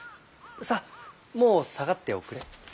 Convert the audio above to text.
さあもう下がっておくれ。